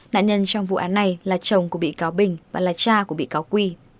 nạn nhân trong vụ án này là chồng của bị cáo bình và là cha của bị cáo quy